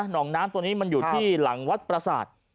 น้องน้ำตัวนี้มันอยู่ที่หลังวัดประสาท